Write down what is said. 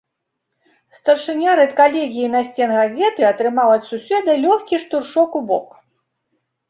Старшыня рэдкалегіі насценгазеты атрымаў ад суседа лёгкі штуршок у бок.